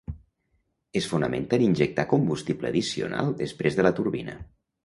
Es fonamenta en injectar combustible addicional després de la turbina.